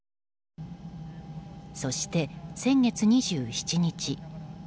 そして先月２７日。